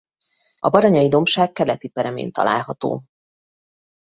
A Baranyai-dombság keleti peremén található.